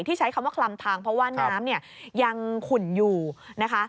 ใช้คำว่าคลำทางเพราะว่าน้ำเนี่ยยังขุ่นอยู่นะคะ